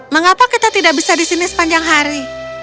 mengapa kita tidak bisa di sini sepanjang hari